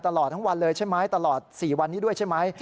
ตลอดทั้งวันเลยใช่ไหมตลอด๔วันนี้ด้วยใช่ไหม